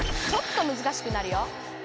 ちょっとむずかしくなるよ。